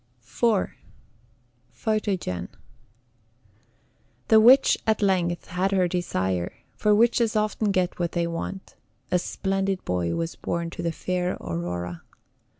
IV. PHOTOGEN. The witch at length had her desire, for witches often get what they want: a splendid boy was born to the fair Aurora.